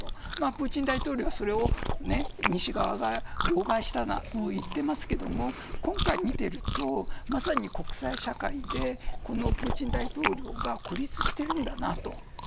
プーチン大統領はそれを西側が妨害したなどと言っていますけれども今回見ているとまさに国際社会でこのプーチン大統領が孤立しているんだなと。